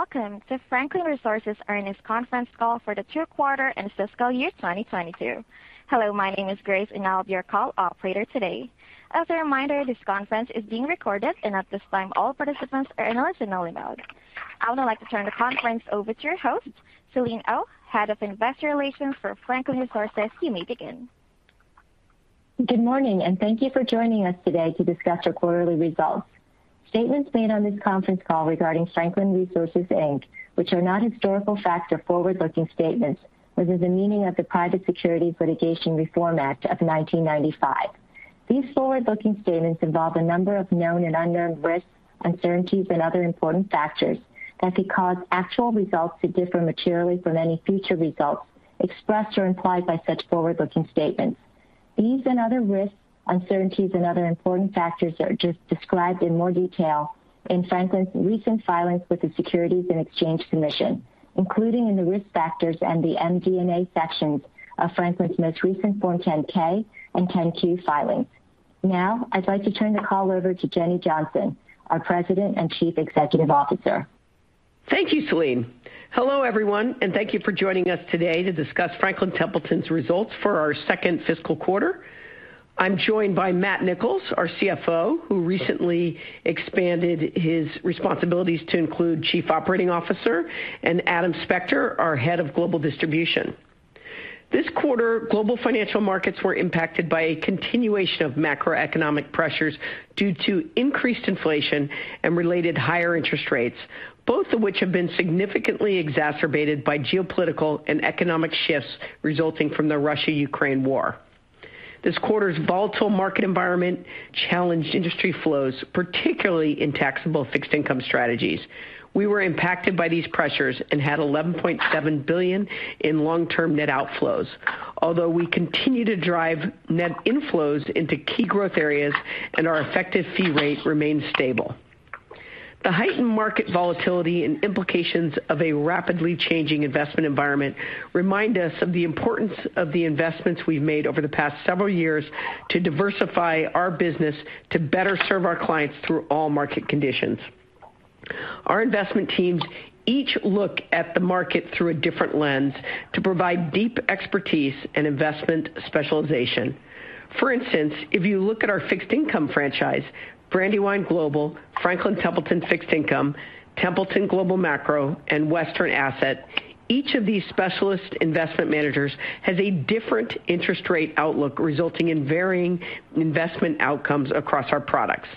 Welcome to Franklin Resources Earnings Conference Call for the third quarter and fiscal year 2022. Hello, my name is Grace and I'll be your call operator today. As a reminder, this conference is being recorded and at this time all participants are in a listen-only mode. I would like to turn the conference over to your host, Selene Oh, Head of Investor Relations for Franklin Resources. You may begin. Good morning, and thank you for joining us today to discuss our quarterly results. Statements made on this conference call regarding Franklin Resources, Inc., which are not historical facts, are forward-looking statements within the meaning of the Private Securities Litigation Reform Act of 1995. These forward-looking statements involve a number of known and unknown risks, uncertainties, and other important factors that could cause actual results to differ materially from any future results expressed or implied by such forward-looking statements. These and other risks, uncertainties, and other important factors are described in more detail in Franklin's recent filings with the Securities and Exchange Commission, including in the Risk Factors and the MD&A sections of Franklin's most recent Form 10-K and 10-Q filings. Now I'd like to turn the call over to Jenny Johnson, our President and Chief Executive Officer. Thank you, Selene. Hello, everyone, and thank you for joining us today to discuss Franklin Templeton's results for our second fiscal quarter. I'm joined by Matthew Nicholls, our CFO, who recently expanded his responsibilities to include Chief Operating Officer, and Adam Spector, our Head of Global Distribution. This quarter, global financial markets were impacted by a continuation of macroeconomic pressures due to increased inflation and related higher interest rates, both of which have been significantly exacerbated by geopolitical and economic shifts resulting from the Russia-Ukraine war. This quarter's volatile market environment challenged industry flows, particularly in taxable fixed income strategies. We were impacted by these pressures and had $11.7 billion in long-term net outflows, although we continue to drive net inflows into key growth areas and our effective fee rate remains stable. The heightened market volatility and implications of a rapidly changing investment environment remind us of the importance of the investments we've made over the past several years to diversify our business to better serve our clients through all market conditions. Our investment teams each look at the market through a different lens to provide deep expertise and investment specialization. For instance, if you look at our fixed income franchise, Brandywine Global, Franklin Templeton Fixed Income, Templeton Global Macro, and Western Asset, each of these specialist investment managers has a different interest rate outlook, resulting in varying investment outcomes across our products.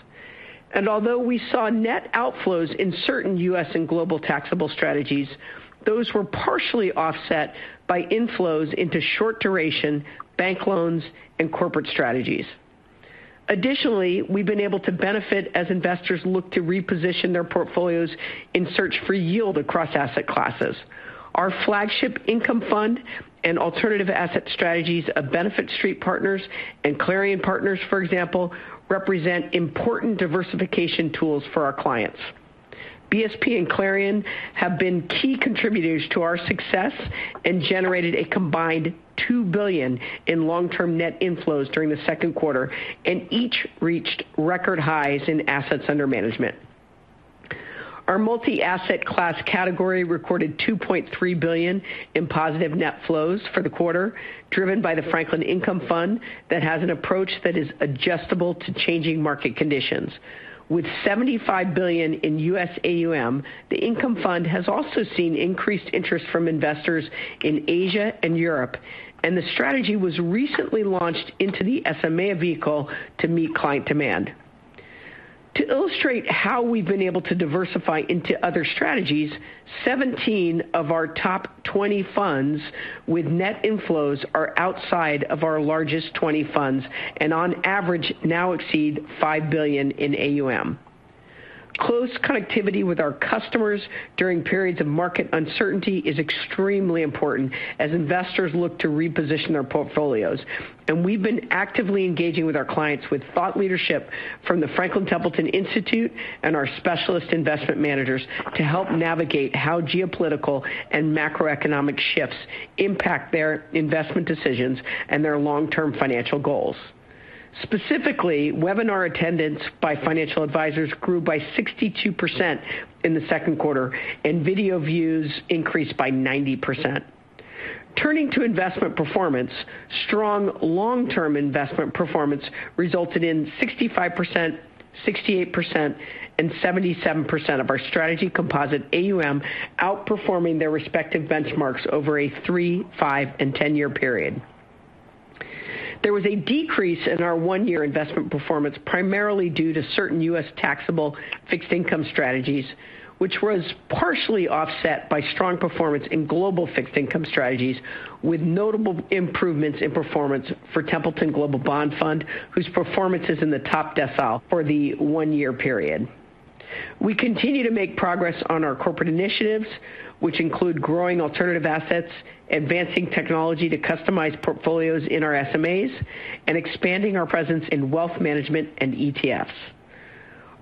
Although we saw net outflows in certain US and global taxable strategies, those were partially offset by inflows into short duration bank loans and corporate strategies. Additionally, we've been able to benefit as investors look to reposition their portfolios in search for yield across asset classes. Our flagship income fund and alternative asset strategies of Benefit Street Partners and Clarion Partners, for example, represent important diversification tools for our clients. BSP and Clarion have been key contributors to our success and generated a combined $2 billion in long-term net inflows during the second quarter and each reached record highs in assets under management. Our multi-asset class category recorded $2.3 billion in positive net flows for the quarter, driven by the Franklin Income Fund that has an approach that is adjustable to changing market conditions. With $75 billion in AUM, the income fund has also seen increased interest from investors in Asia and Europe, and the strategy was recently launched into the SMA vehicle to meet client demand. To illustrate how we've been able to diversify into other strategies, 17 of our top 20 funds with net inflows are outside of our largest 20 funds and on average now exceed $5 billion in AUM. Close connectivity with our customers during periods of market uncertainty is extremely important as investors look to reposition their portfolios. We've been actively engaging with our clients with thought leadership from the Franklin Templeton Institute and our Specialist Investment Managers to help navigate how geopolitical and macroeconomic shifts impact their investment decisions and their long-term financial goals. Specifically, webinar attendance by financial advisors grew by 62% in the second quarter, and video views increased by 90%. Turning to investment performance, strong long-term investment performance resulted in 65%, 68%, and 77% of our strategy composite AUM outperforming their respective benchmarks over a 3-, 5-, and 10-year period. There was a decrease in our one-year investment performance, primarily due to certain U.S. taxable fixed income strategies, which was partially offset by strong performance in global fixed income strategies, with notable improvements in performance for Templeton Global Bond Fund, whose performance is in the top decile for the one-year period. We continue to make progress on our corporate initiatives, which include growing alternative assets, advancing technology to customize portfolios in our SMAs, and expanding our presence in wealth management and ETFs.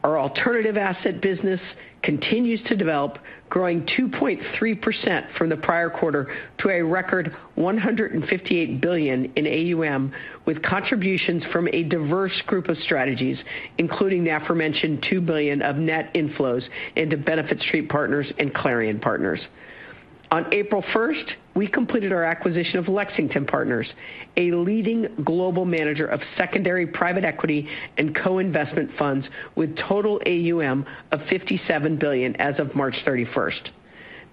Our alternative asset business continues to develop, growing 2.3% from the prior quarter to a record $158 billion in AUM, with contributions from a diverse group of strategies, including the aforementioned $2 billion of net inflows into Benefit Street Partners and Clarion Partners. On April 1, we completed our acquisition of Lexington Partners, a leading global manager of secondary private equity and co-investment funds with total AUM of $57 billion as of March 31.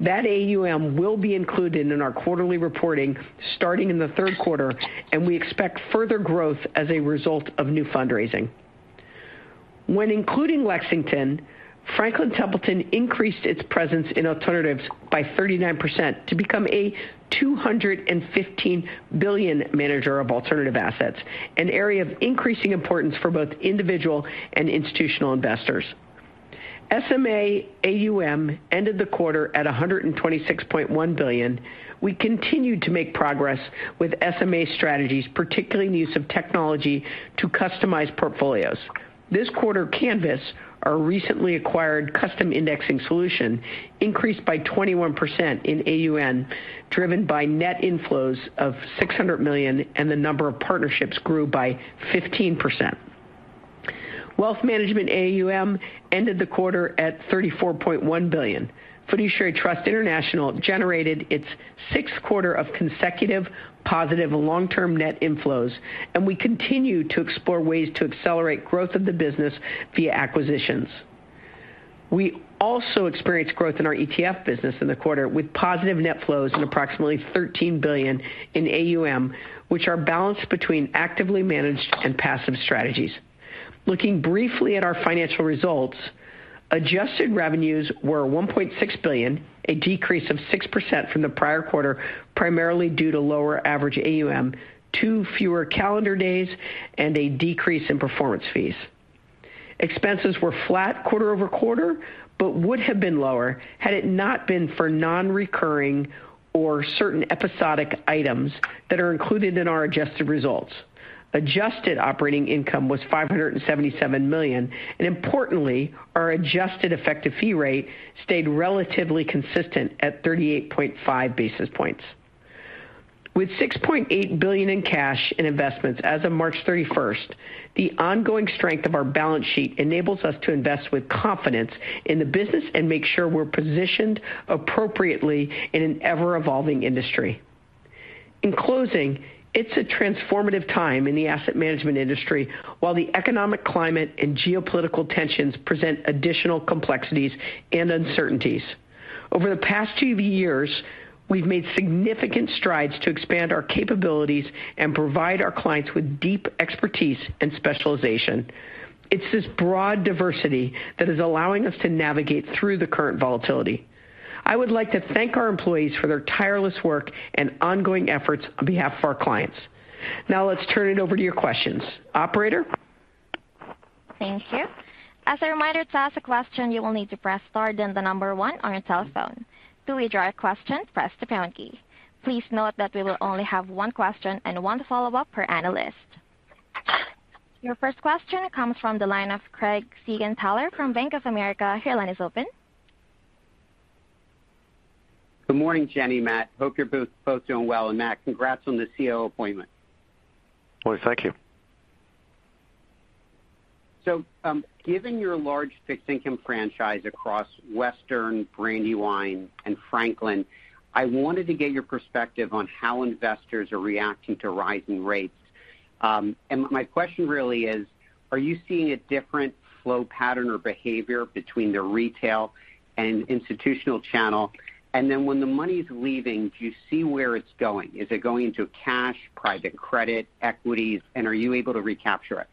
That AUM will be included in our quarterly reporting starting in the third quarter, and we expect further growth as a result of new fundraising. When including Lexington, Franklin Templeton increased its presence in alternatives by 39% to become a $215 billion manager of alternative assets, an area of increasing importance for both individual and institutional investors. SMA AUM ended the quarter at $126.1 billion. We continued to make progress with SMA strategies, particularly in the use of technology to customize portfolios. This quarter, Canvas, our recently acquired custom indexing solution, increased by 21% in AUM, driven by net inflows of $600 million, and the number of partnerships grew by 15%. Wealth management AUM ended the quarter at $34.1 billion. Fiduciary Trust International generated its sixth quarter of consecutive positive long-term net inflows, and we continue to explore ways to accelerate growth of the business via acquisitions. We also experienced growth in our ETF business in the quarter with positive net flows and approximately $13 billion in AUM, which are balanced between actively managed and passive strategies. Looking briefly at our financial results, adjusted revenues were $1.6 billion, a decrease of 6% from the prior quarter, primarily due to lower average AUM, 2 fewer calendar days, and a decrease in performance fees. Expenses were flat quarter-over-quarter, but would have been lower had it not been for non-recurring or certain episodic items that are included in our adjusted results. Adjusted operating income was $577 million, and importantly, our adjusted effective fee rate stayed relatively consistent at 38.5 basis points. With $6.8 billion in cash in investments as of March 31, the ongoing strength of our balance sheet enables us to invest with confidence in the business and make sure we're positioned appropriately in an ever-evolving industry. In closing, it's a transformative time in the asset management industry, while the economic climate and geopolitical tensions present additional complexities and uncertainties. Over the past few years, we've made significant strides to expand our capabilities and provide our clients with deep expertise and specialization. It's this broad diversity that is allowing us to navigate through the current volatility. I would like to thank our employees for their tireless work and ongoing efforts on behalf of our clients. Now let's turn it over to your questions. Operator. Thank you. As a reminder, to ask a question, you will need to press star, then 1 on your telephone. To withdraw your question, press the pound key. Please note that we will only have 1 question and 1 follow-up per analyst. Your first question comes from the line of Craig Siegenthaler from Bank of America. Your line is open. Good morning, Jenny, Matt. Hope you're both doing well. Matt, congrats on the COO appointment. Why, thank you. Given your large fixed income franchise across Western, Brandywine, and Franklin, I wanted to get your perspective on how investors are reacting to rising rates. My question really is, are you seeing a different flow pattern or behavior between the retail and institutional channel? When the money's leaving, do you see where it's going? Is it going to cash, private credit, equities, and are you able to recapture it?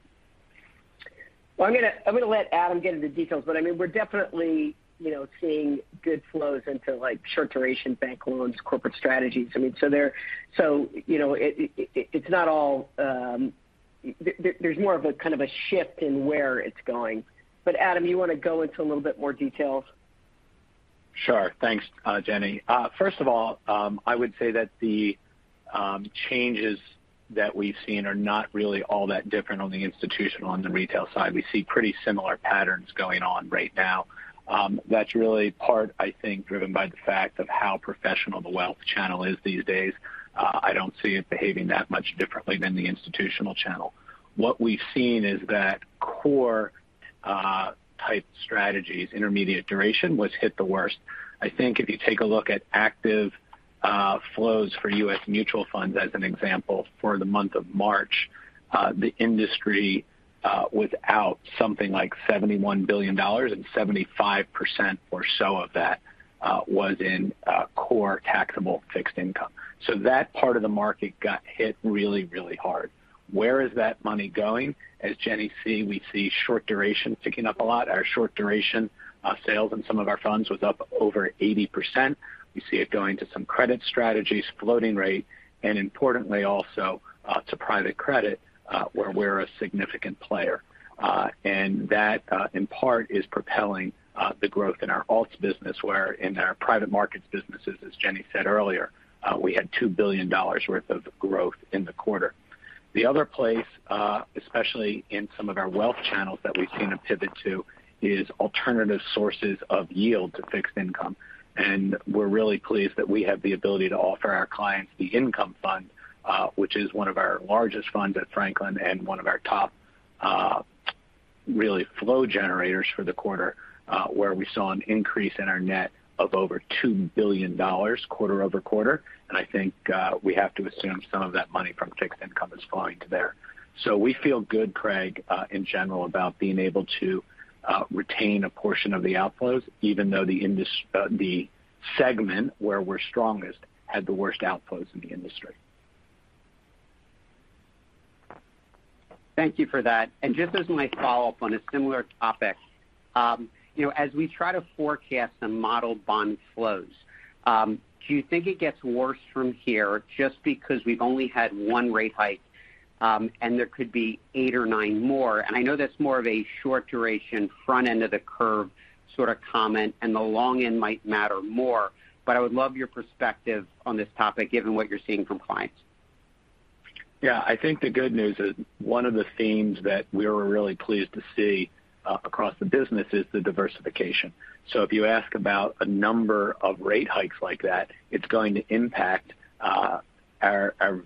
I'm gonna let Adam get into details, but we're definitely seeing good flows into like short-duration bank loans, corporate strategies. It's not all there's more of a shift in where it's going. Adam, you wanna go into a little bit more detail? Sure. Thanks, Jenny. First of all, I would say that the changes that we've seen are not really all that different on the institutional and the retail side. We see pretty similar patterns going on right now. That's really part, I think, driven by the fact of how professional the wealth channel is these days. I don't see it behaving that much differently than the institutional channel. What we've seen is that core type strategies, intermediate duration, was hit the worst. I think if you take a look at active flows for U.S. mutual funds, as an example, for the month of March, the industry was out something like $71 billion and 75% or so of that was in core taxable fixed income. That part of the market got hit really, really hard. Where is the money going? As Jenny said, we see short duration picking up a lot. Our short duration sales in some of our funds was up over 80%. We see it going to some credit strategies, floating rate, and importantly also to private credit, where we're a significant player. That in part is propelling the growth in our alts business, where in our private markets businesses, as Jenny said earlier, we had $2 billion worth of growth in the quarter. The other place, especially in some of our wealth channels that we've seen a pivot to, is alternative sources of yield to fixed income. We're really pleased that we have the ability to offer our clients the income fund, which is one of our largest funds at Franklin and one of our top, Really flow generators for the quarter, where we saw an increase in our net of over $2 billion quarter-over-quarter. I think we have to assume some of that money from Fixed Income is flowing there. We feel good, Craig, in general about being able to retain a portion of the outflows, even though the segment where we're strongest had the worst outflows in the industry. Thank you for that. Just as my follow-up on a similar topic as we try to forecast and model bond flows, do you think it gets worse from here just because we've only had one rate hike, and there could be eight or nine more? I know that's more of a short duration front end of the curve comment, and the long end might matter more, but I would love your perspective on this topic, given what you're seeing from clients. Yeah. I think the good news is one of the themes that we're really pleased to see across the business is the diversification. If you ask about a number of rate hikes like that, it's going to impact our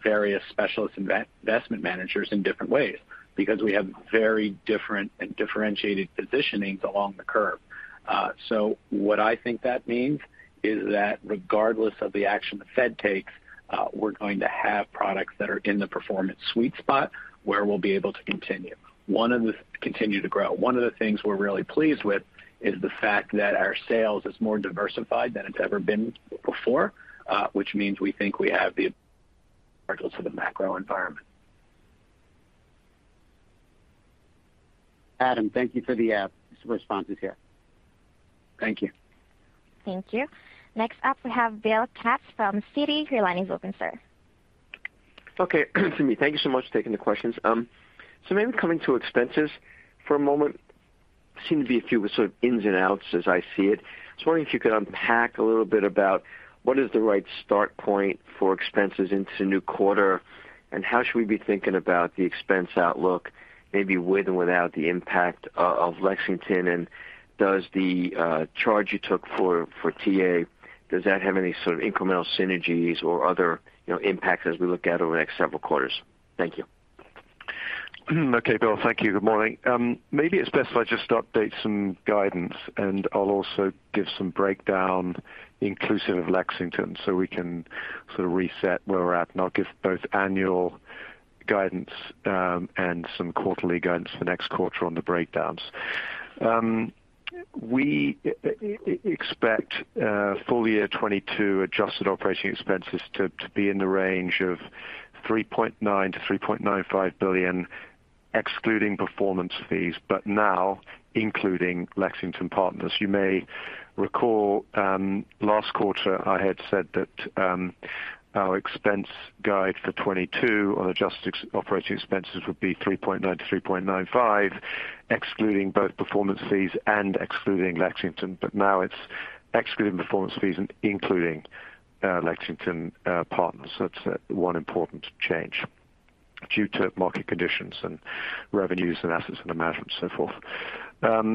various Specialist Investment Managers in different ways because we have very different and differentiated positionings along the curve. What I think that means is that regardless of the action the Fed takes, we're going to have products that are in the performance sweet spot where we'll be able to continue to grow. One of the things we're really pleased with is the fact that our sales is more diversified than it's ever been before, which means we think we have the tools to thrive in the macro environment. Adam, thank you for the responses here. Thank you. Thank you. Next up, we have Bill Katz from Citi. Your line is open, sir. Okay. Excuse me. Thank you so much for taking the questions. Maybe coming to expenses for a moment, seem to be a few ins and outs as I see it. Just wondering if you could unpack a little bit about what is the right start point for expenses into the new quarter, and how should we be thinking about the expense outlook, maybe with and without the impact of Lexington? And does the charge you took for TA have any incremental synergies or other impacts as we look out over the next several quarters? Thank you. Okay, Bill. Thank you. Good morning. Maybe it's best if I just update some guidance, and I'll also give some breakdown inclusive of Lexington Partners so we can reset where we're at. I'll give both annual guidance and some quarterly guidance for next quarter on the breakdowns. We expect full year 2022 adjusted operating expenses to be in the range of $3.9 billion-$3.95 billion, excluding performance fees, but now including Lexington Partners. You may recall, last quarter, I had said that our expense guide for 2022 on adjusted operating expenses would be $3.9 billion-$3.95 billion, excluding both performance fees and excluding Lexington Partners. Now it's excluding performance fees and including Lexington Partners. That's one important change due to market conditions and revenues and assets under management and so forth.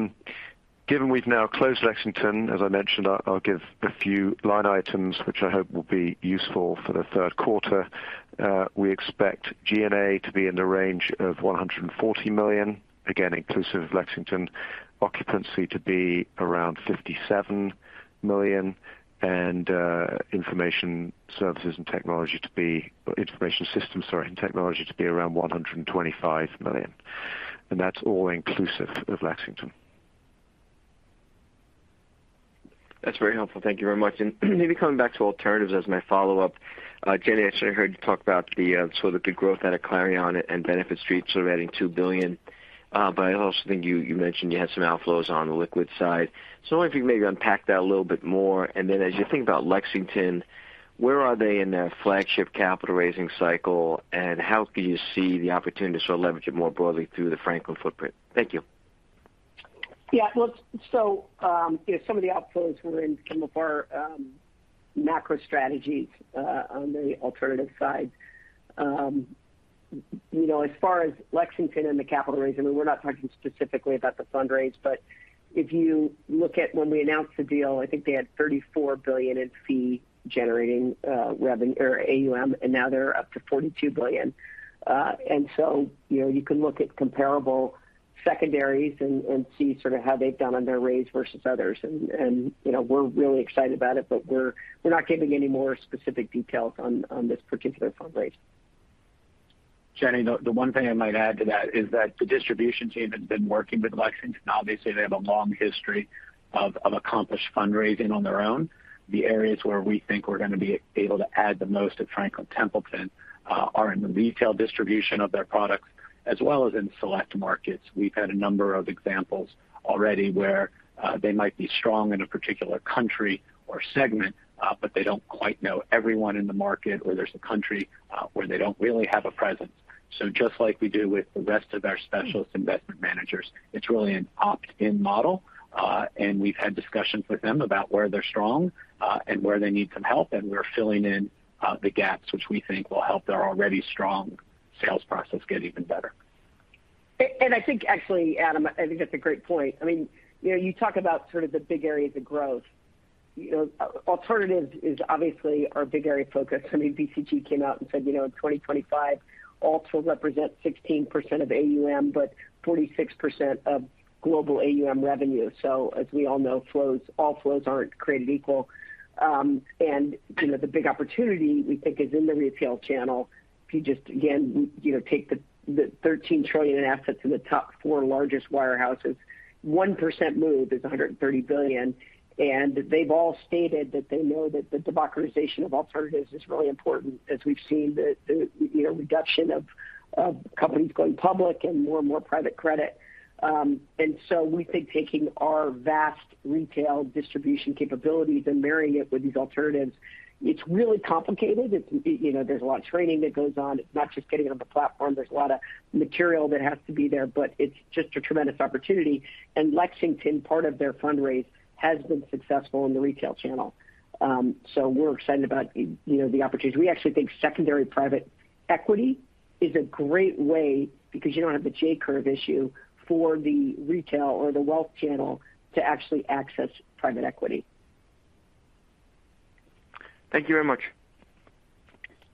Given we've now closed Lexington Partners, as I mentioned, I'll give a few line items which I hope will be useful for the third quarter. We expect G&A to be in the range of $140 million, again inclusive of Lexington Partners. Occupancy to be around $57 million. Information systems and technology to be around $125 million. That's all inclusive of Lexington Partners. That's very helpful. Thank you very much. Maybe coming back to alternatives as my follow-up. Jenny, I actually heard you talk about the growth out of Clarion and Benefit Street adding $2 billion. But I also think you mentioned you had some outflows on the liquid side. I wonder if you could maybe unpack that a little bit more. Then as you think about Lexington, where are they in their flagship capital raising cycle, and how can you see the opportunity to leverage it more broadly through the Franklin footprint? Thank you. Yeah. Some of the outflows were in some of our macro strategies on the alternative side. As far as Lexington Partners and the capital raise, we're not talking specifically about the fundraise, but if you look at when we announced the deal, I think they had $34 billion in fee generating revenue or AUM, and now they're up to $42 billion. You can look at comparable secondaries and we're really excited about it, but we're not giving any more specific details on this particular fundraise. Jenny, the one thing I might add to that is that the distribution team has been working with Lexington Partners. Obviously, they have a long history of accomplished fundraising on their own. The areas where we think we're gonna be able to add the most at Franklin Templeton are in the retail distribution of their products as well as in select markets. We've had a number of examples already where they might be strong in a particular country or segment, but they don't quite know everyone in the market, or there's a country where they don't really have a presence. Just like we do with the rest of our specialist investment managers, it's really an opt-in model. We've had discussions with them about where they're strong, and where they need some help, and we're filling in the gaps, which we think will help their already strong sales process get even better. I think actually, Adam, I think that's a great point. IYou talk about the big areas of growth. Alternatives is obviously our big area of focus. BCG came out and said, in 2025 alts will represent 16% of AUM, but 46% of global AUM revenue. So as we all know, flows. All flows aren't created equal. And the big opportunity we think is in the retail channel. If you just, again take the thirteen trillion in assets in the top four largest wirehouses, 1% move is $130 billion. They've all stated that they know that the democratization of alternatives is really important as we've seen the reduction of companies going public and more and more private credit. We think taking our vast retail distribution capabilities and marrying it with these alternatives, it's really complicated. It's there's a lot of training that goes on. It's not just getting it on the platform. There's a lot of material that has to be there, but it's just a tremendous opportunity. Lexington Partners, part of their fundraise has been successful in the retail channel. We're excited about the opportunity. We actually think secondary private equity is a great way because you don't have the J-curve issue for the retail or the wealth channel to actually access private equity. Thank you very much.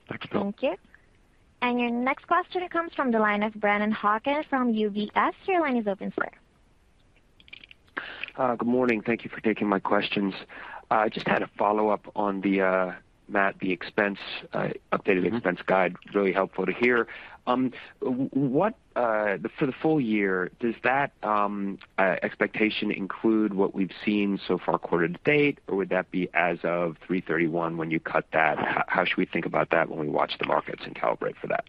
Thanks, Bill. Thank you. Your next question comes from the line of Brennan Hawken from UBS. Your line is open, sir. Good morning. Thank you for taking my questions. Just had a follow-up on the, Matt, the expense updated expense guide, really helpful to hear. What for the full year, does that expectation include what we've seen so far quarter to date? Or would that be as of 3/31 when you cut that? How should we think about that when we watch the markets and calibrate for that?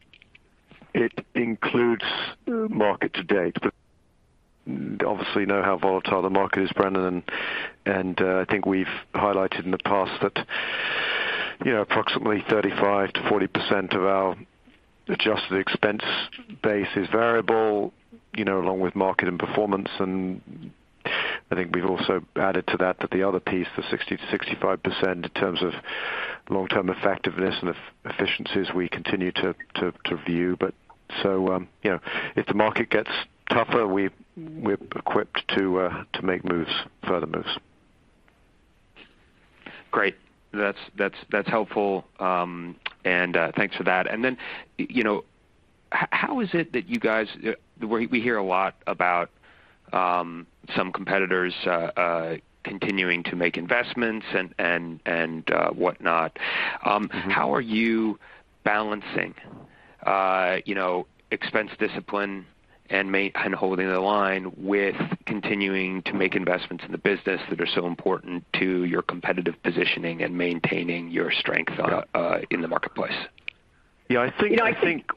It includes market to date, but obviously how volatile the market is, Brennan. I think we've highlighted in the past that approximately 35%-40% of our adjusted expense base is variable along with market and performance. I think we've also added to that the other piece, the 60%-65% in terms of long-term effectiveness and efficiencies we continue to view. If the market gets tougher, we're equipped to make moves, further moves. Great. That's helpful. Thanks for that. We hear a lot about some competitors continuing to make investments and whatnot. How are you balancing expense discipline and holding the line with continuing to make investments in the business that are so important to your competitive positioning and maintaining your strength in the marketplace? Yeah, I think. I think.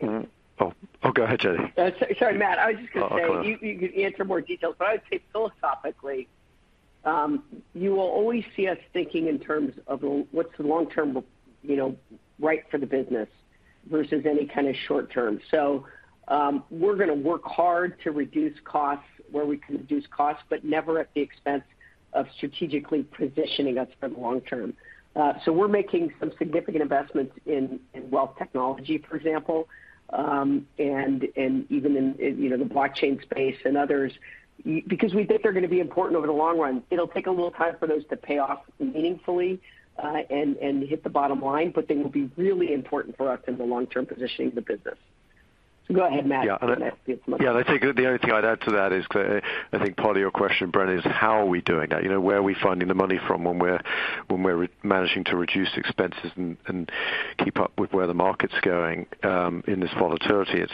Go ahead, Jenny. Sorry, Matt Nicholls. I was just going to say. Oh, go ahead. you can answer more details, but I would say philosophically, you will always see us thinking in terms of what's the long-term right for the business versus any short term. We're going to work hard to reduce costs where we can reduce costs, but never at the expense of strategically positioning us for the long term. We're making some significant investments in wealth technology, for example, and even in the blockchain space and others, because we think they're going to be important over the long run. It'll take a little time for those to pay off meaningfully, and hit the bottom line, but they will be really important for us in the long-term positioning of the business. Go ahead, Matt. Yeah. I'll give some. Yeah, I think the only thing I'd add to that is I think part of your question, Brennan, is how are we doing that? Where are we finding the money from when we're managing to reduce expenses and keep up with where the market's going in this volatility?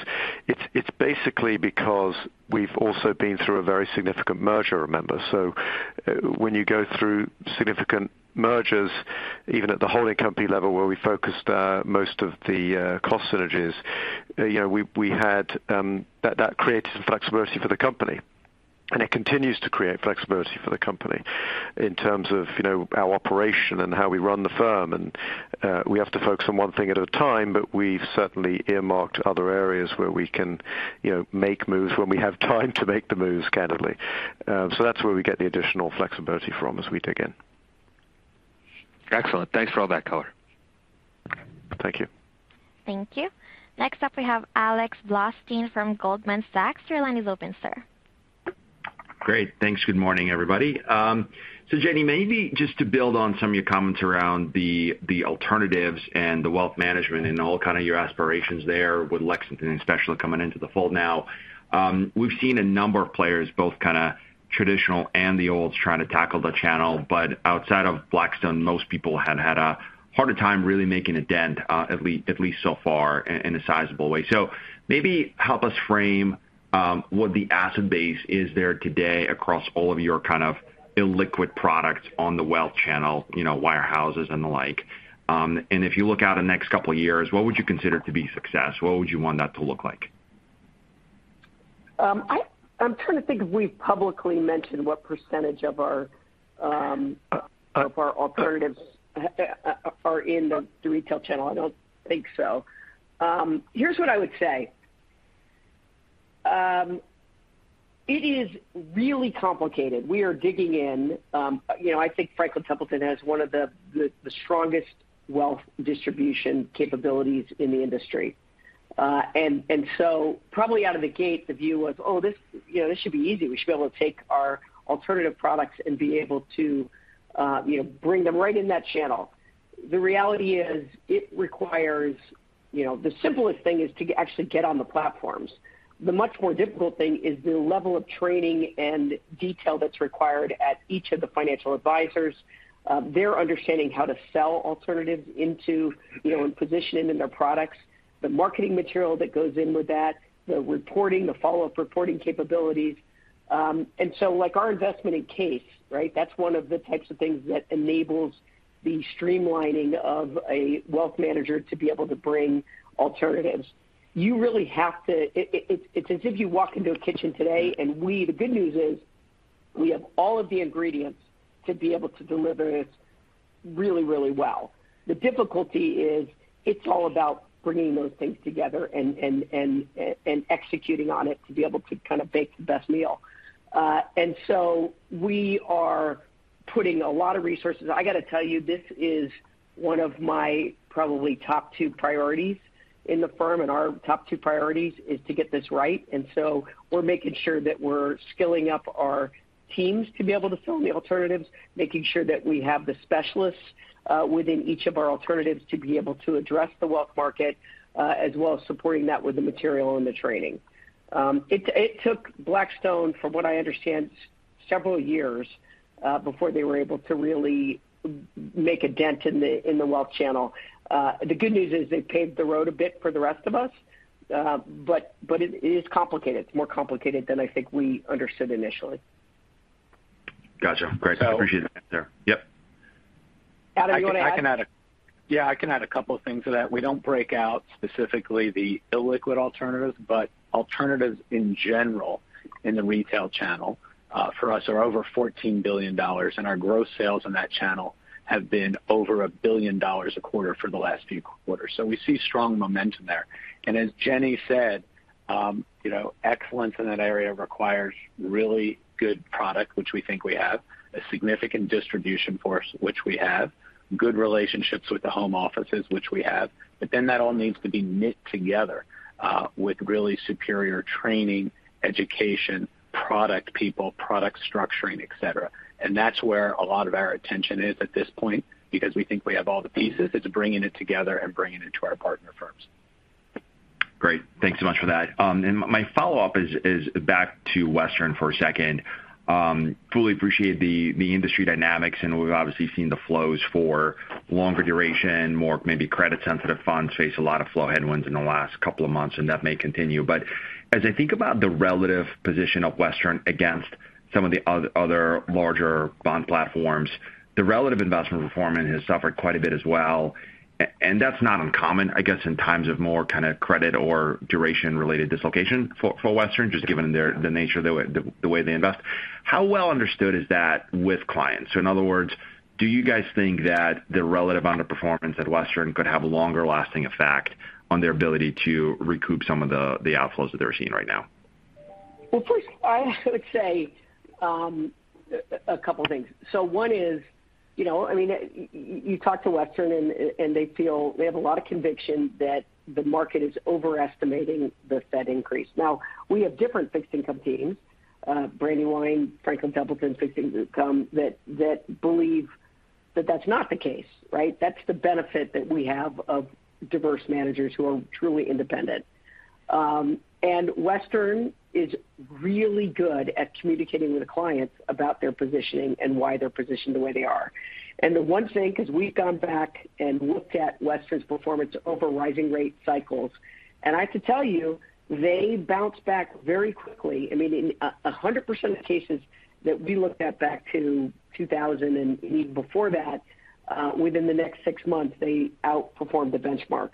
It's basically because we've also been through a very significant merger, remember. When you go through significant mergers, even at the holding company level where we focused most of the cost synergies we had that created some flexibility for the company, and it continues to create flexibility for the company in terms of our operation and how we run the firm. We have to focus on one thing at a time, but we've certainly earmarked other areas where we can make moves when we have time to make the moves, candidly. That's where we get the additional flexibility from as we dig in. Excellent. Thanks for all that color. Thank you. Thank you. Next up, we have Alex Blostein from Goldman Sachs. Your line is open, sir. Great. Thanks. Good morning, everybody. Jenny, maybe just to build on some of your comments around the alternatives and the wealth management and all your aspirations there with Lexington especially coming into the fold now. We've seen a number of players, both traditional and the alts trying to tackle the channel. Outside of Blackstone, most people have had a harder time really making a dent, at least so far in a sizable way. Maybe help us frame what the asset base is there today across all of your illiquid products on the wealth channel wirehouses and the like. If you look out the next couple of years, what would you consider to be success? What would you want that to look like? I'm trying to think if we've publicly mentioned what percentage of our alternatives are in the retail channel. I don't think so. Here's what I would say. It is really complicated. We are digging in. I think Franklin Templeton has one of the strongest wealth distribution capabilities in the industry. Probably out of the gate, the view was this should be easy. We should be able to take our alternative products and be able to bring them right in that channel. The reality is it requires the simplest thing is to actually get on the platforms. The much more difficult thing is the level of training and detail that's required at each of the financial advisors, their understanding how to sell alternatives into and position them in their products, the marketing material that goes in with that, the reporting, the follow-up reporting capabilities. Like our investment in Canvas. That's one of the types of things that enables the streamlining of a wealth manager to be able to bring alternatives. It's as if you walk into a kitchen today, the good news is we have all of the ingredients to be able to deliver this really, really well. The difficulty is it's all about bringing those things together and executing on it to be able to bake the best meal. We are putting a lot of resources. I got to tell you, this is one of my probably top two priorities in the firm, and our top two priorities is to get this right. We're making sure that we're skilling up our teams to be able to sell the alternatives, making sure that we have the specialists within each of our alternatives to be able to address the wealth market, as well as supporting that with the material and the training. It took Blackstone, from what I understand, several years before they were able to really make a dent in the wealth channel. The good news is they paved the road a bit for the rest of us. It is complicated. It's more complicated than I think we understood initially. Gotcha. Great. I appreciate it there. Yep. Adam, you want to add? I can add a couple of things to that. We don't break out specifically the illiquid alternatives, but alternatives in general in the retail channel, for us are over $14 billion, and our gross sales in that channel have been over $1 billion a quarter for the last few quarters. We see strong momentum there. As Jenny said, excellence in that area requires really good product, which we think we have, a significant distribution force, which we have, good relationships with the home offices, which we have. That all needs to be knit together with really superior training, education, product people, product structuring, et cetera. That's where a lot of our attention is at this point, because we think we have all the pieces. It's bringing it together and bringing it to our partner firms. Great. Thanks so much for that. My follow-up is back to Western Asset for a second. I fully appreciate the industry dynamics, and we've obviously seen the flows for longer duration, more maybe credit-sensitive funds face a lot of flow headwinds in the last couple of months, and that may continue. As I think about the relative position of Western Asset against some of the other larger bond platforms, the relative investment performance has suffered quite a bit as well. That's not uncommon in times of more credit or duration-related dislocation for Western Asset, just given their the nature the way they invest. How well understood is that with clients? In other words, do you guys think that the relative underperformance at Western could have a longer-lasting effect on their ability to recoup some of the outflows that they're seeing right now? Well, first, I would say a couple of things. One is you talk to Western and they feel they have a lot of conviction that the market is overestimating the Fed increase. Now, we have different fixed income teams, Brandywine, Franklin Templeton Fixed Income, that believe that that's not the case. That's the benefit that we have of diverse managers who are truly independent. Western is really good at communicating with the clients about their positioning and why they're positioned the way they are. The one thing, because we've gone back and looked at Western's performance over rising rate cycles, and I could tell you they bounce back very quickly. In 100% of the cases that we looked at back to 2000 and even before that, within the next six months, they outperformed the benchmark.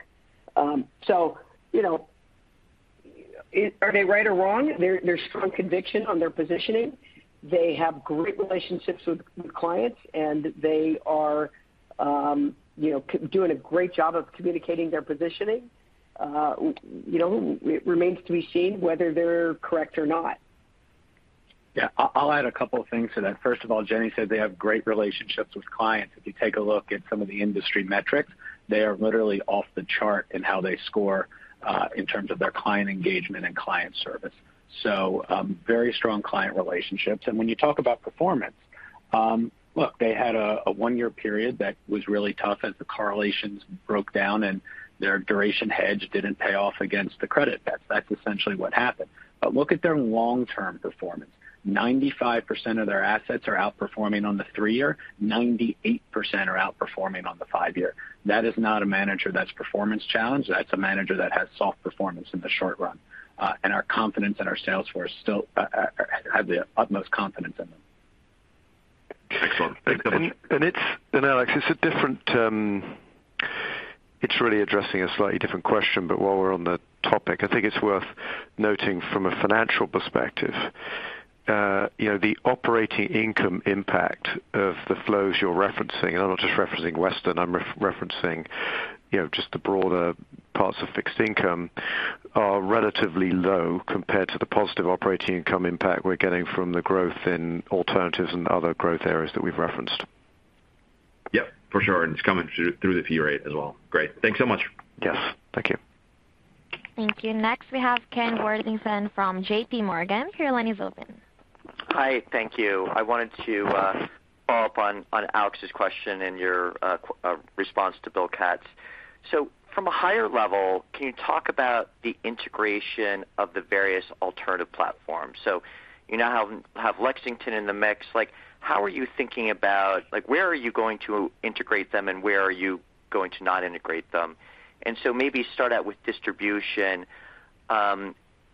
Are they right or wrong? There's strong conviction on their positioning. They have great relationships with clients, and they are doing a great job of communicating their positioning. It remains to be seen whether they're correct or not. Yeah. I'll add a couple of things to that. First of all, Jenny said they have great relationships with clients. If you take a look at some of the industry metrics, they are literally off the chart in how they score in terms of their client engagement and client service. Very strong client relationships. When you talk about performance, look, they had a one-year period that was really tough as the correlations broke down and their duration hedge didn't pay off against the credit. That's essentially what happened. Look at their long-term performance. 95% of their assets are outperforming on the three-year. 98% are outperforming on the five-year. That is not a manager that's performance challenged. That's a manager that has soft performance in the short run. Our confidence in our sales force still have the utmost confidence in them. Excellent. Alex, it's really addressing a slightly different question, but while we're on the topic, I think it's worth noting from a financial perspective the operating income impact of the flows you're referencing, and I'm not just referencing Western, I'm referencing the broader parts of fixed income, are relatively low compared to the positive operating income impact we're getting from the growth in alternatives and other growth areas that we've referenced. Yep, for sure. It's coming through the fee rate as well. Great. Thanks so much. Yes. Thank you. Thank you. Next, we have Ken Worthington from JPMorgan. Your line is open. Hi. Thank you. I wanted to follow up on Alex Blostein's question and your response to Bill Katz. From a higher level, can you talk about the integration of the various alternative platforms? You now have Lexington Partners in the mix. Like, how are you thinking about where you are going to integrate them and where you are going to not integrate them? Maybe start out with distribution.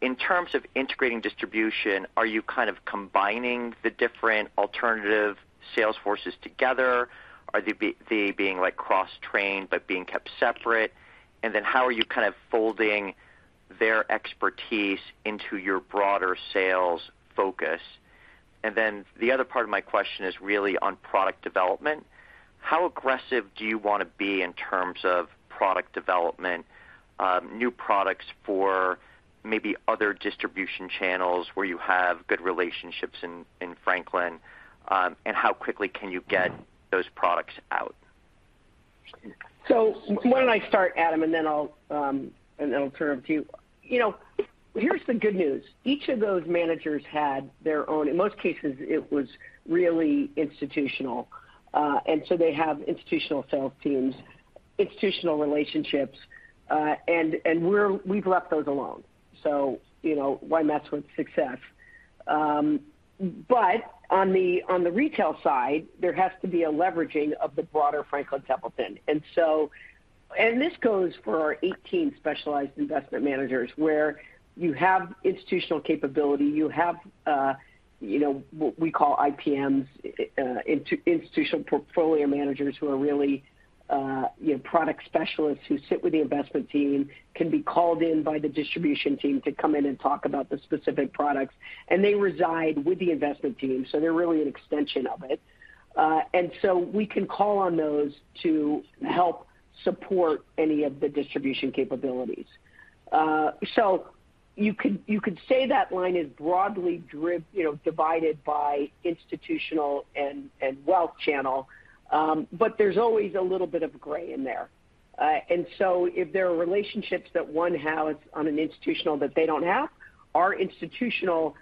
In terms of integrating distribution, are you combining the different alternative sales forces together? Are they being, like, cross-trained, but being kept separate? Then how are you folding their expertise into your broader sales focus? Then the other part of my question is really on product development. How aggressive do you wanna be in terms of product development, new products for maybe other distribution channels where you have good relationships in Franklin? How quickly can you get those products out? Why don't I start, Adam, and then I'll turn it over to you. Here's the good news. Each of those managers had their own. In most cases, it was really institutional. They have institutional sales teams, institutional relationships, and we've left those alone. Why mess with success? On the retail side, there has to be a leveraging of the broader Franklin Templeton. This goes for our 18 specialized investment managers, where you have institutional capability, you have what we call IPMs, institutional portfolio managers who are really product specialists who sit with the investment team, can be called in by the distribution team to come in and talk about the specific products. They reside with the investment team, so they're really an extension of it. We can call on those to help support any of the distribution capabilities. You could say that line is broadly divided by institutional and wealth channel, but there's always a little bit of gray in there. If there are relationships that one has on an institutional that they don't have, our institutional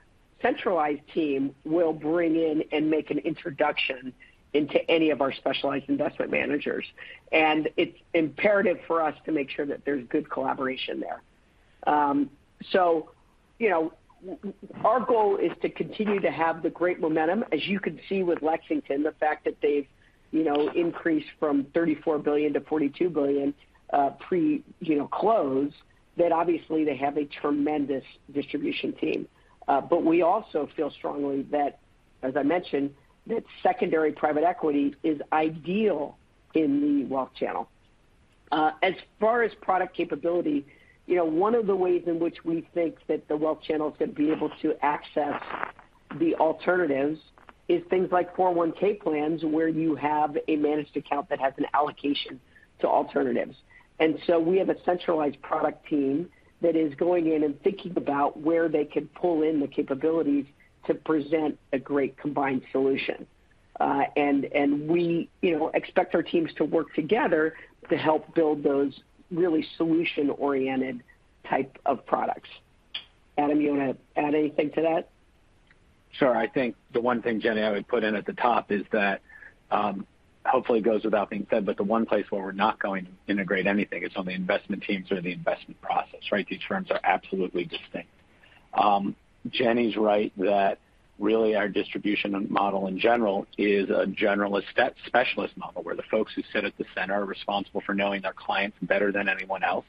centralized team will bring in and make an introduction into any of our Specialist Investment Managers. It's imperative for us to make sure that there's good collaboration there. Our goal is to continue to have the great momentum. As you can see with Lexington, the fact that they've increased from $34 billion-$42 billion pre-close, that obviously they have a tremendous distribution team. We also feel strongly that, as I mentioned, that secondary private equity is ideal in the wealth channel. As far as product capability one of the ways in which we think that the wealth channel is gonna be able to access the alternatives is things like 401(k) plans, where you have a managed account that has an allocation to alternatives. We have a centralized product team that is going in and thinking about where they could pull in the capabilities to present a great combined solution. We expect our teams to work together to help build those really solution-oriented type of products. Adam, you wanna add anything to that? Sure. I think the one thing, Jenny, I would put in at the top is that, hopefully it goes without being said, but the one place where we're not going to integrate anything is on the investment teams or the investment process. These firms are absolutely distinct. Jenny's right that really our distribution model in general is a generalist-specialist model, where the folks who sit at the center are responsible for knowing their clients better than anyone else,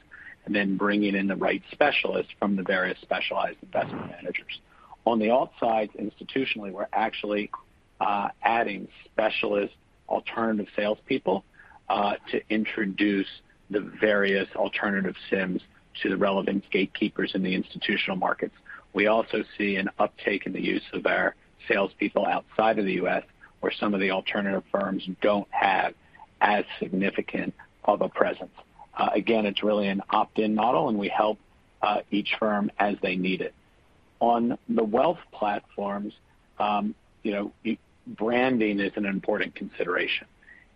and then bringing in the right specialists from the various specialized investment managers. On the alt side, institutionally, we're actually adding specialist alternative salespeople to introduce the various alternative SIMs to the relevant gatekeepers in the institutional markets. We also see an uptake in the use of our salespeople outside of the U.S., where some of the alternative firms don't have as significant of a presence. Again, it's really an opt-in model, and we help each firm as they need it. On the wealth platforms branding is an important consideration.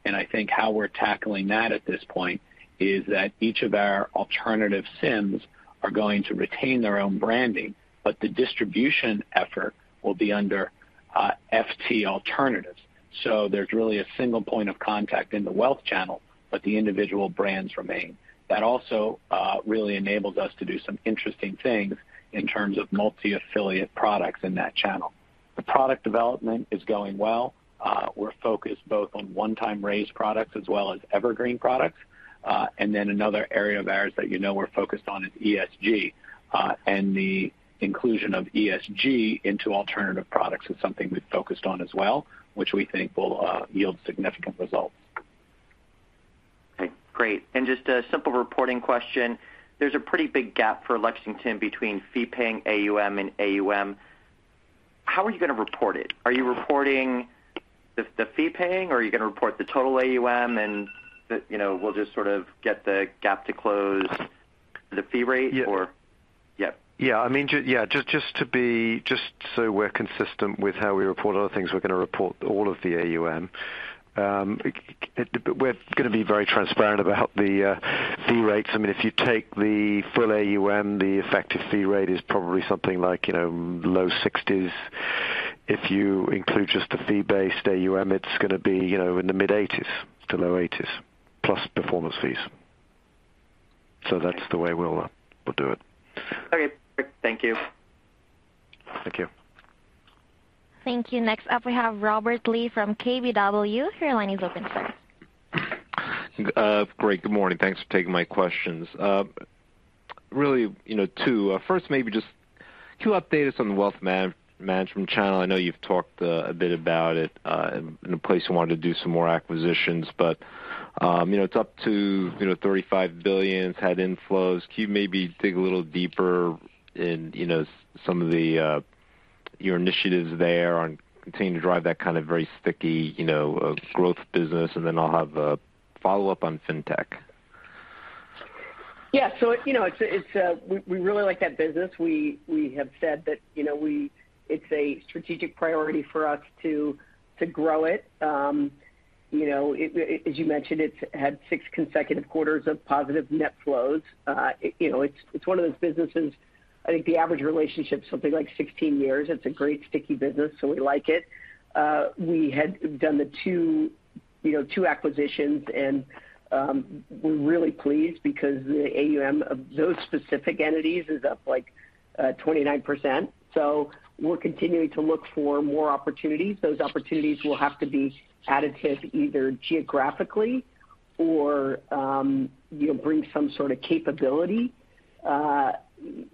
I think how we're tackling that at this point is that each of our alternative SIMs are going to retain their own branding, but the distribution effort will be under FT Alternatives. There's really a single point of contact in the wealth channel, but the individual brands remain. That also really enables us to do some interesting things in terms of multi-affiliate products in that channel. The product development is going well. We're focused both on one-time raise products as well as evergreen products. Then another area of ours that we're focused on is ESG. The inclusion of ESG into alternative products is something we've focused on as well, which we think will yield significant results. Okay. Great. Just a simple reporting question. There's a pretty big gap for Lexington between fee paying AUM and AUM. How are you gonna report it? Are you reporting the fee paying, or are you gonna report the total AUM, and we'll just get the gap to close. The fee rate. Yeah. Yep. Yeah, just so we're consistent with how we report other things, we're gonna report all of the AUM. We're gonna be very transparent about the fee rates. If you take the full AUM, the effective fee rate is probably something like low 60s. If you include just the fee-based AUM, it's gonna be in the mid-80s to low-80s, plus performance fees. That's the way we'll do it. Okay. Thank you. Thank you. Thank you. Next up, we have Robert Lee from KBW. Your line is open, sir. Great. Good morning. Thanks for taking my questions. Really two. First, maybe just can you update us on the wealth management channel? I know you've talked a bit about it in a place you wanted to do some more acquisitions. It's up to $35 billion, it's had inflows. Can you maybe dig a little deeper in some of your initiatives there on continuing to drive that very sticky growth business? Then I'll have a follow-up on FinTech. We really like that business. We have said that it's a strategic priority for us to grow it. As you mentioned, it's had six consecutive quarters of positive net flows. It's one of those businesses. I think the average relationship is something like 16 years. It's a great sticky business, so we like it. We had done the two acquisitions, and we're really pleased because the AUM of those specific entities is up 29%. We're continuing to look for more opportunities. Those opportunities will have to be additive, either geographically or bring some capability.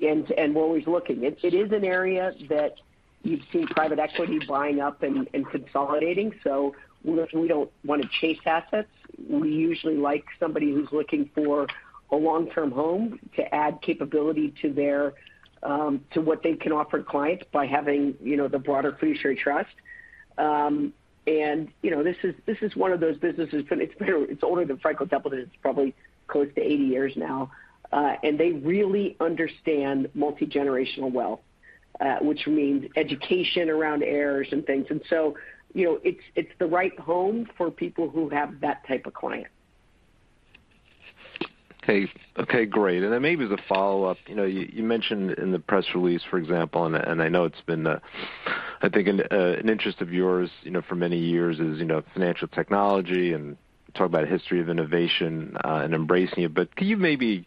We're always looking. It is an area that you've seen private equity buying up and consolidating. We don't wanna chase assets. We usually like somebody who's looking for a long-term home to add capability to what they can offer clients by having the broader Fiduciary Trust. This is one of those businesses. It's older than Franklin. It's probably close to 80 years now. They really understand multi-generational wealth, which means education around heirs and things. It's the right home for people who have that type of client. Okay, great. Maybe as a follow-up. You mentioned in the press release, for example, and I know it's been, I think an interest of yours for many years financial technology and talk about history of innovation and embracing it. Can you maybe?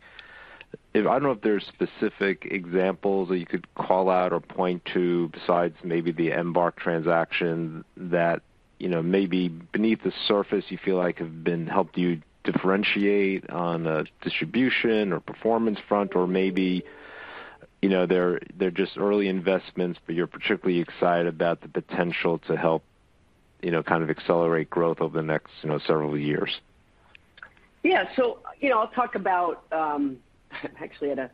I don't know if there's specific examples that you could call out or point to besides maybe the Embark transaction that maybe beneath the surface you feel like have been helped you differentiate on the distribution or performance front, or maybe they're just early investments, but you're particularly excited about the potential to help accelerate growth over the next several years. Yeah. I'll talk about. I'm actually at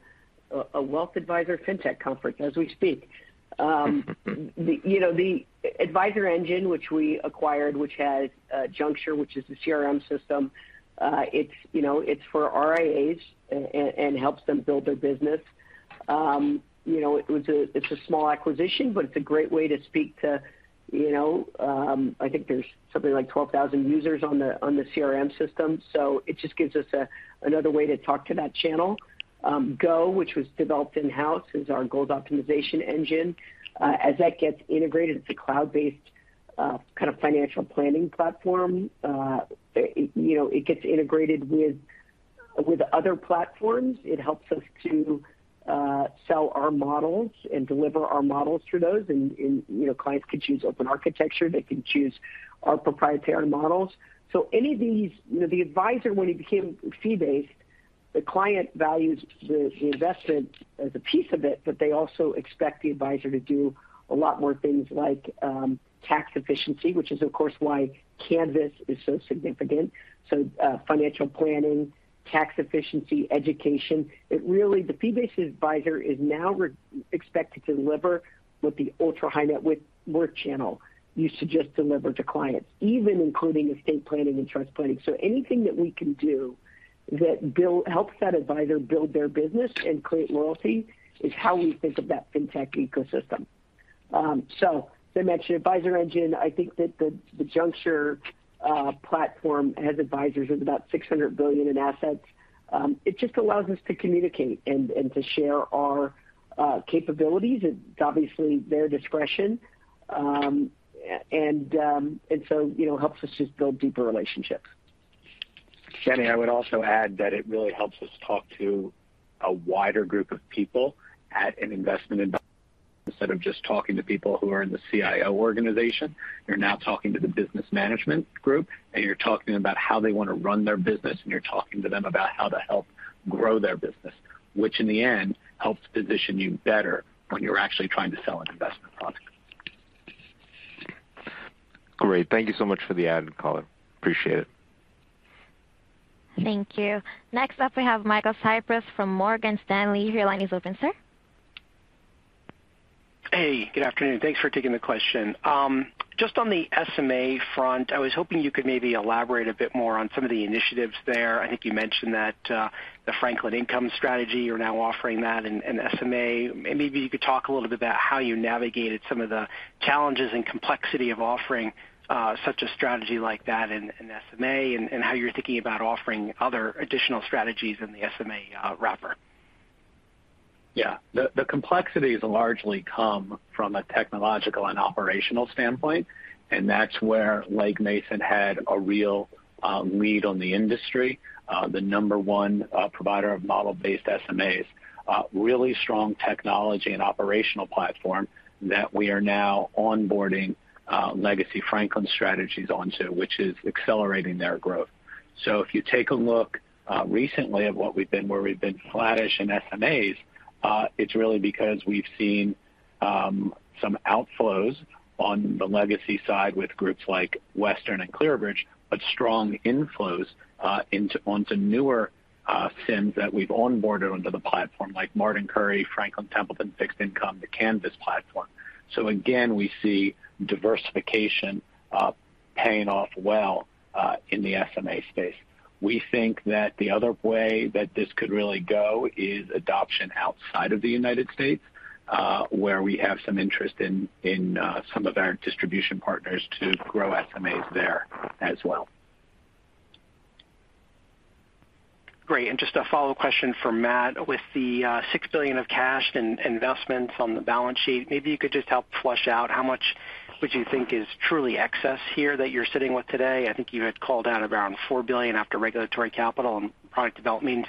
a wealth advisor FinTech conference as we speak. The AdvisorEngine, which we acquired, which has Junxure, which is the CRM system. It's for RIAs and helps them build their business. It's a small acquisition, but it's a great way to speak to. I think there's something like 12,000 users on the CRM system, so it just gives us another way to talk to that channel. GO, which was developed in-house, is our Goals Optimization Engine. As that gets integrated, it's a cloud-based financial planning platform. It gets integrated with other platforms. It helps us to sell our models and deliver our models through those. Clients can choose open architecture, they can choose our proprietary models. Any of these. The advisor, when he became fee-based, the client values the investment as a piece of it, but they also expect the advisor to do a lot more things like tax efficiency, which is of course why Canvas is so significant. Financial planning, tax efficiency, education. It really. The fee-based advisor is now expected to deliver what the ultra-high-net-worth channel used to just deliver to clients, even including estate planning and trust planning. Anything that we can do that helps that advisor build their business and create loyalty is how we think of that FinTech ecosystem. As I mentioned, AdvisorEngine, I think that the Junxure platform has advisors with about $600 billion in assets. It just allows us to communicate and to share our capabilities. It's obviously their discretion. Helps us just build deeper relationships. Jenny, I would also add that it really helps us talk to a wider group of people at an investment environment. Instead of just talking to people who are in the CIO organization, you're now talking to the business management group, and you're talking about how they wanna run their business, and you're talking to them about how to help grow their business, which in the end helps position you better when you're actually trying to sell an investment product. Great. Thank you so much for the add, Adam. Appreciate it. Thank you. Next up, we have Michael Cyprys from Morgan Stanley. Your line is open, sir. Good afternoon. Thanks for taking the question. Just on the SMA front, I was hoping you could maybe elaborate a bit more on some of the initiatives there. I think you mentioned that, the Franklin Income strategy, you're now offering that in SMA. Maybe you could talk a little bit about how you navigated some of the challenges and complexity of offering such a strategy like that in SMA and how you're thinking about offering other additional strategies in the SMA wrapper? Yeah. The complexities largely come from a technological and operational standpoint, and that's where Legg Mason had a real lead on the industry, the number one provider of model-based SMAs. Really strong technology and operational platform that we are now onboarding legacy Franklin strategies onto, which is accelerating their growth. If you take a look recently at what we've been, where we've been flattish in SMAs, it's really because we've seen some outflows on the legacy side with groups like Western and ClearBridge, but strong inflows onto newer SIMs that we've onboarded onto the platform, like Martin Currie, Franklin Templeton Fixed Income, the Canvas platform. Again, we see diversification paying off well in the SMA space. We think that the other way that this could really go is adoption outside of the United States, where we have some interest in some of our distribution partners to grow SMAs there as well. Great. Just a follow question for Matt. With the $6 billion of cash in investments on the balance sheet, maybe you could just help flesh out how much would you think is truly excess here that you're sitting with today. I think you had called out around $4 billion after regulatory capital and product development.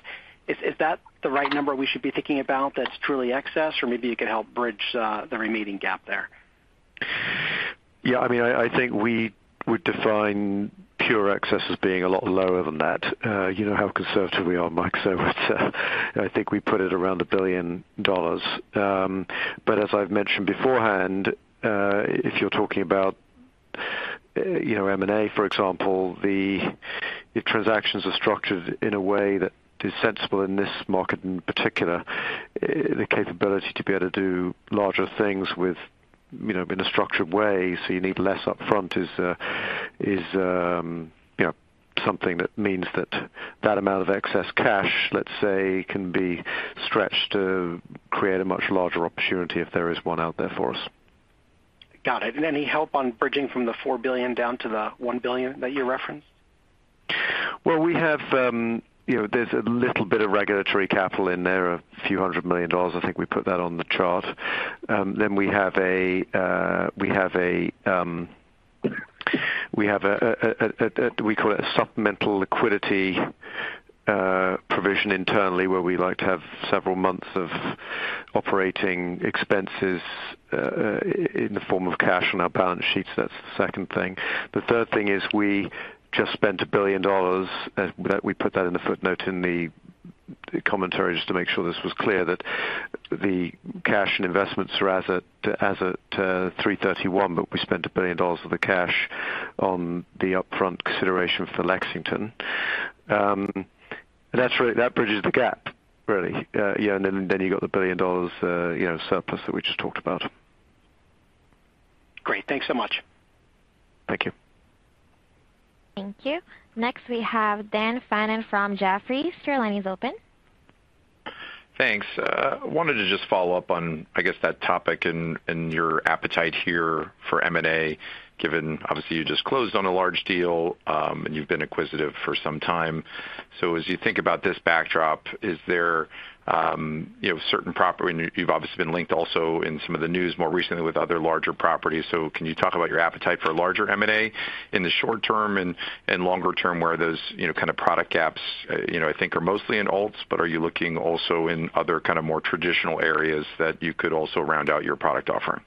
Is that the right number we should be thinking about that's truly excess? Or maybe you could help bridge the remaining gap there. Yeah. I think we would define pure excess as being a lot lower than that. How conservative we are, Mike, so it's I think we put it around $1 billion. But as I've mentioned beforehand, if you're talking about M&A, for example, if transactions are structured in a way that is sensible in this market, in particular, the capability to be able to do larger things with in a structured way, so you need less upfront is something that means that that amount of excess cash, let's say, can be stretched to create a much larger opportunity if there is one out there for us. Got it. Any help on bridging from the $4 billion down to the $1 billion that you referenced? Well, we have there's a little bit of regulatory capital in there, $ a few hundred million. I think we put that on the chart. We have a supplemental liquidity provision internally, where we like to have several months of operating expenses in the form of cash on our balance sheets. That's the second thing. The third thing is we just spent $1 billion. We put that in the footnote in the commentary just to make sure this was clear, that the cash and investments are as of 3/31, but we spent $1 billion of the cash on the upfront consideration for Lexington Partners. That's really that bridges the gap, really. Yeah, you got the $1 billion surplus that we just talked about. Great. Thanks so much. Thank you. Thank you. Next, we have Dan Fannon from Jefferies. Your line is open. Thanks. Wanted to just follow up on that topic and your appetite here for M&A, given obviously you just closed on a large deal and you've been acquisitive for some time. As you think about this backdrop, is there certain properties? You've obviously been linked also in some of the news more recently with other larger properties. Can you talk about your appetite for larger M&A in the short term and longer term, where those product gaps are mostly in alts, but are you looking also in other more traditional areas that you could also round out your product offering?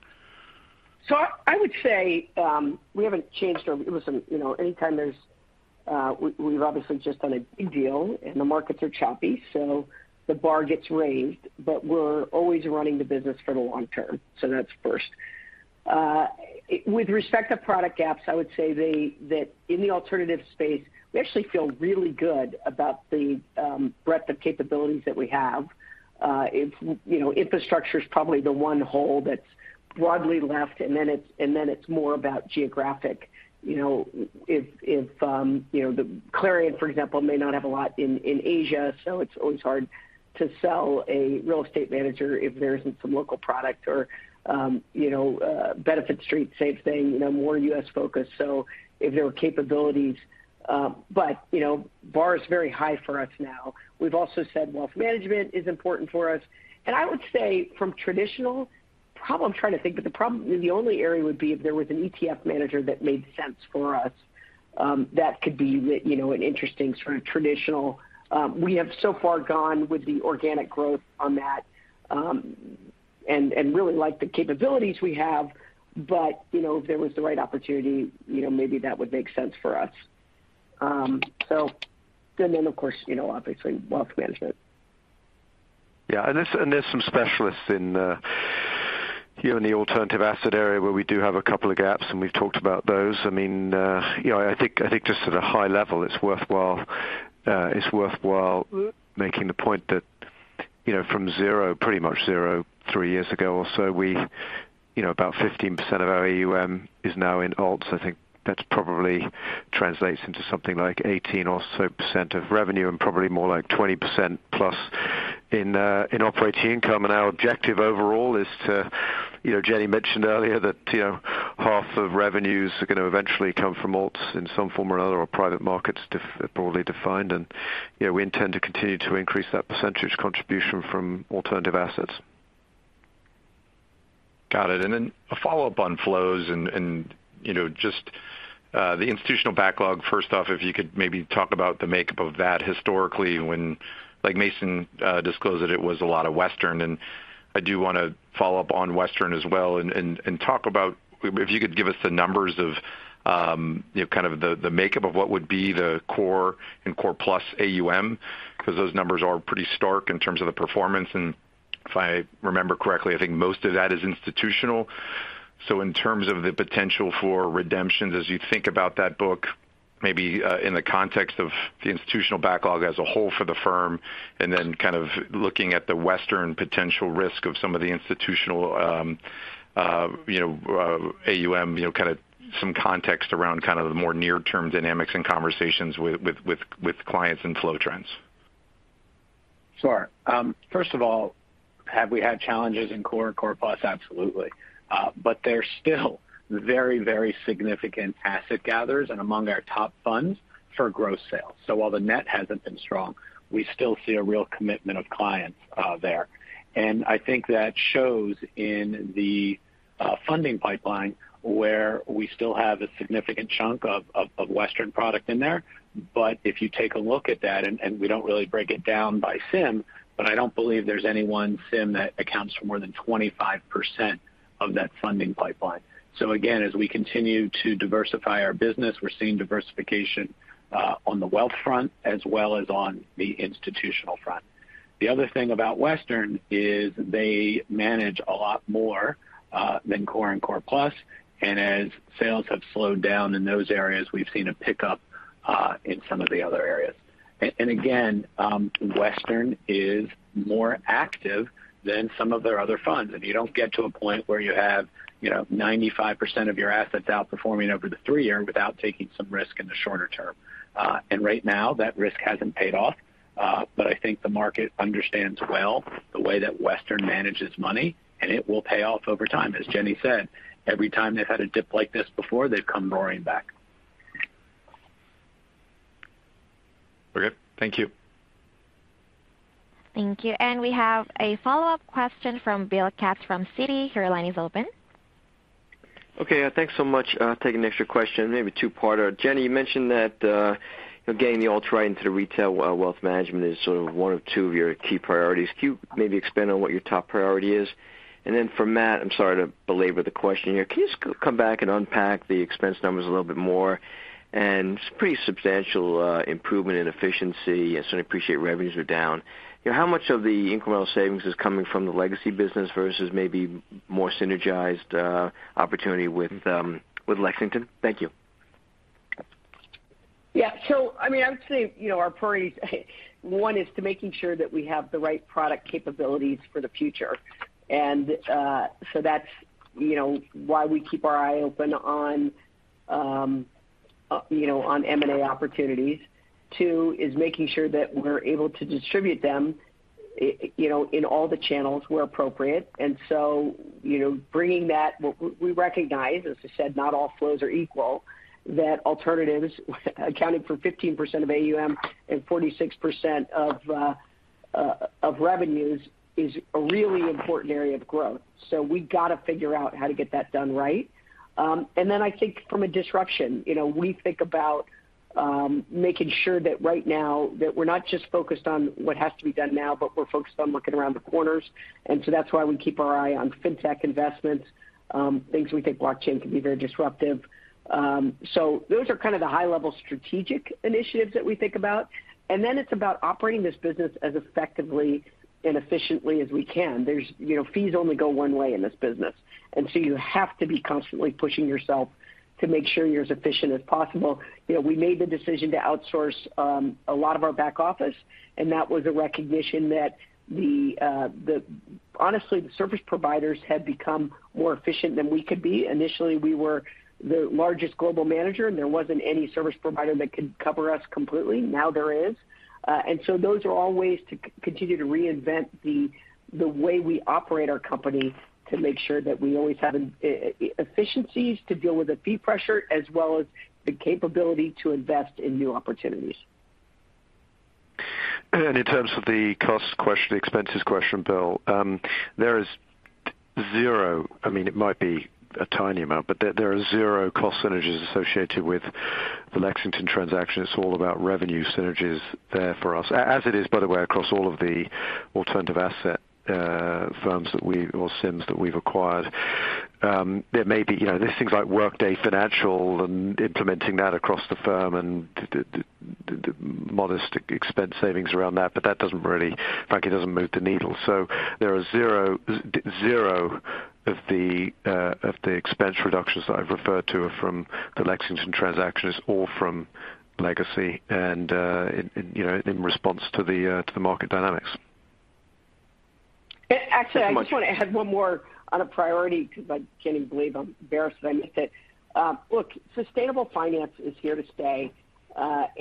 I would say we haven't changed our. Listen, anytime there's we've obviously just done a big deal, and the markets are choppy, so the bar gets raised, but we're always running the business for the long term. That's first. With respect to product gaps, I would say that in the alternative space, we actually feel really good about the breadth of capabilities that we have. Infrastructure is probably the one hole that's broadly left, and then it's more about geographic. If the Clarion, for example, may not have a lot in Asia, so it's always hard to sell a real estate manager if there isn't some local product or Benefit Street, same thing more U.S.-focused. If there were capabilities, but bar is very high for us now. We've also said wealth management is important for us. I would say from traditional, the only area would be if there was an ETF manager that made sense for us, that could be an interesting traditional. We have so far gone with the organic growth on that, and really like the capabilities we have. If there was the right opportunity maybe that would make sense for us. Of course, wealth management. Yeah. There's some specialists in the alternative asset area where we do have a couple of gaps, and we've talked about those. I think just at a high level, it's worthwhile. It's worthwhile making the point that, from zero, pretty much zero, three years ago or about 15% of our AUM is now in ALTs. I think that probably translates into something like 18% or so of revenue and probably more like 20% plus in operating income. Our objective overall is Jenny mentioned earlier that half of revenues are gonna eventually come from ALTs in some form or another or private markets broadly defined. We intend to continue to increase that percentage contribution from alternative assets. Got it. Then a follow-up on flows and just the institutional backlog. First off, if you could maybe talk about the makeup of that historically when like Legg Mason disclosed that it was a lot of Western Asset. I do wanna follow up on Western Asset as well and talk about if you could give us the numbers of the makeup of what would be the core and core plus AUM, because those numbers are pretty stark in terms of the performance. If I remember correctly, I think most of that is institutional. In terms of the potential for redemptions, as you think about that book, maybe, in the context of the institutional backlog as a whole for the firm, and then looking at the Western potential risk of some of the institutional AUM, kinda some context around the more near-term dynamics and conversations with clients and flow trends. Sure. First of all, have we had challenges in core plus? Absolutely. They're still very, very significant asset gatherers and among our top funds for gross sales. While the net hasn't been strong, we still see a real commitment of clients there. I think that shows in the funding pipeline where we still have a significant chunk of Western product in there. If you take a look at that, and we don't really break it down by SIM, but I don't believe there's any one SIM that accounts for more than 25% of that funding pipeline. Again, as we continue to diversify our business, we're seeing diversification on the wealth front as well as on the institutional front. The other thing about Western is they manage a lot more than core and core plus. As sales have slowed down in those areas, we've seen a pickup in some of the other areas. Again, Western Asset is more active than some of their other funds. You don't get to a point where you have 95% of your assets outperforming over the three-year without taking some risk in the shorter term. Right now that risk hasn't paid off, but I think the market understands well the way that Western Asset manages money, and it will pay off over time. As Jenny said, every time they've had a dip like this before, they've come roaring back. Okay. Thank you. Thank you. We have a follow-up question from Bill Katz from Citi. Your line is open. Okay. Thanks so much. Take an extra question, maybe two-parter. Jenny, you mentioned that getting the alt right into the retail wealth management is one of two of your key priorities. Can you maybe expand on what your top priority is? For Matt, I'm sorry to belabor the question here. Can you come back and unpack the expense numbers a little bit more? It's pretty substantial improvement in efficiency. I certainly appreciate revenues are down. How much of the incremental savings is coming from the legacy business versus maybe more synergistic opportunity with Lexington? Thank you. I would say, our priorities, one is to making sure that we have the right product capabilities for the future. That's why we keep our eye open on M&A opportunities. Two is making sure that we're able to distribute them in all the channels where appropriate. Bringing that. We recognize, as I said, not all flows are equal, that alternatives accounting for 15% of AUM and 46% of revenues is a really important area of growth. We gotta figure out how to get that done right. I think from a disruption, we think about making sure that right now that we're not just focused on what has to be done now, but we're focused on looking around the corners. That's why we keep our eye on fintech investments, things we think blockchain can be very disruptive. Those are the high level strategic initiatives that we think about. It's about operating this business as effectively and efficiently as we can. There's fees only go one way in this business, and so you have to be constantly pushing yourself to make sure you're as efficient as possible. We made the decision to outsource a lot of our back office, and that was a recognition that the... Honestly, the service providers had become more efficient than we could be. Initially, we were the largest global manager and there wasn't any service provider that could cover us completely. Now there is. Those are all ways to continue to reinvent the way we operate our company to make sure that we always have efficiencies to deal with the fee pressure as well as the capability to invest in new opportunities. In terms of the cost question, expenses question, Bill, there is zero. It might be a tiny amount, but there are zero cost synergies associated with the Lexington Partners transaction. It's all about revenue synergies there for us, as it is, by the way, across all of the alternative asset firms that we or SIMS that we've acquired. There's things like Workday Financial and implementing that across the firm and modest expense savings around that, but that doesn't really, frankly, doesn't move the needle. There are zero of the expense reductions that I've referred to are from the Lexington Partners transactions or from legacy and in response to the market dynamics. Actually, I just wanna add one more on a priority because I can't even believe I'm embarrassed that I missed it. Look, sustainable finance is here to stay.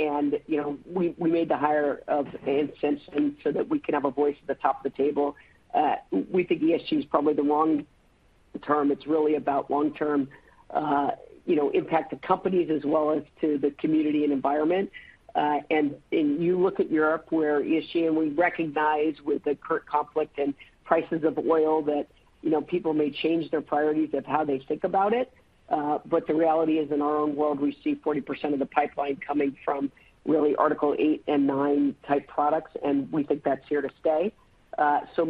We made the hire of Anne Simpson so that we can have a voice at the top of the table. We think ESG is probably the wrong term. It's really about long-term impact to companies as well as to the community and environment. You look at Europe where ESG, and we recognize with the current conflict and prices of oil that people may change their priorities of how they think about it. The reality is in our own world we see 40% of the pipeline coming from really Article 8 and 9 type products, and we think that's here to stay.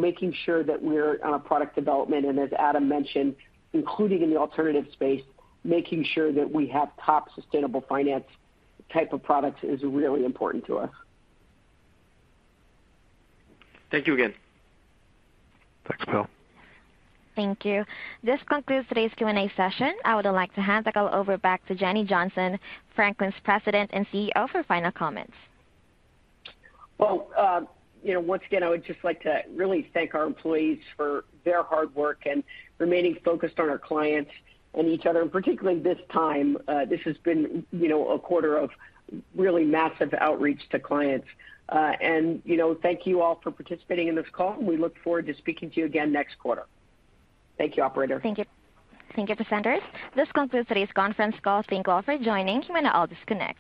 Making sure that we're on top of product development, and as Adam mentioned, including in the alternative space, making sure that we have top sustainable finance type of products is really important to us. Thank you again. Thanks, Bill. Thank you. This concludes today's Q&A session. I would like to hand the call over back to Jenny Johnson, Franklin's President and CEO, for final comments. Once again, I would just like to really thank our employees for their hard work and remaining focused on our clients and each other, and particularly this time, this has been a quarter of really massive outreach to clients. Thank you all for participating in this call, and we look forward to speaking to you again next quarter. Thank you, operator. Thank you. Thank you, presenters. This concludes today's conference call. Thank you all for joining. You may now all disconnect.